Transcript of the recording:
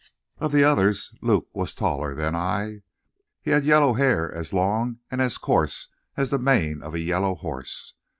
"Of the others, Luke was taller than I. He had yellow hair as long and as coarse as the mane of a yellow horse.